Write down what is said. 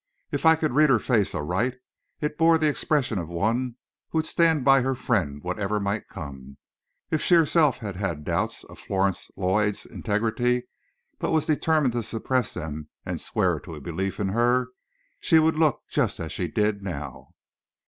If I could read her face aright, it bore the expression of one who would stand by her friend whatever might come. If she herself had had doubts of Florence Lloyd's integrity, but was determined to suppress them and swear to a belief in her, she would look just as she did now.